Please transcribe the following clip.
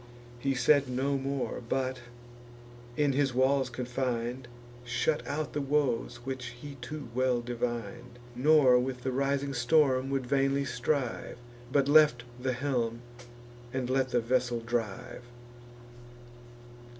He said no more, but, in his walls confin'd, Shut out the woes which he too well divin'd Nor with the rising storm would vainly strive, But left the helm, and let the vessel drive.